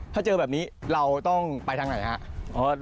ถ้าเจอแบบนี้เราต้องไปทางไหนครับ